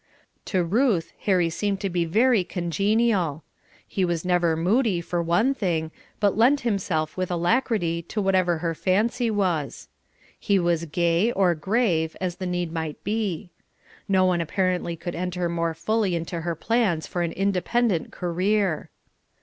To Ruth, Harry seemed to be very congenial. He was never moody for one thing, but lent himself with alacrity to whatever her fancy was. He was gay or grave as the need might be. No one apparently could enter more fully into her plans for an independent career.